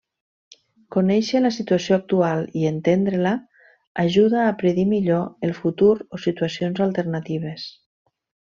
Conèixer la situació actual i entendre-la ajuda a predir millor el futur o situacions alternatives.